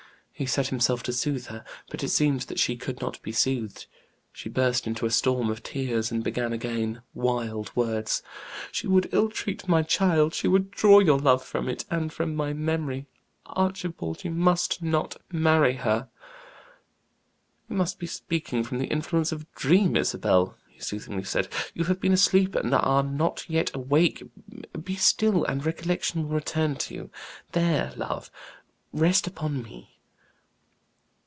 He set himself to soothe her, but it seemed that she could not be soothed. She burst into a storm of tears and began again wild words. "She would ill treat my child; she would draw your love from it, and from my memory. Archibald, you must not marry her!" "You must be speaking from the influence of a dream, Isabel," he soothingly said; "you have been asleep and are not yet awake. Be still, and recollection will return to you. There, love; rest upon me."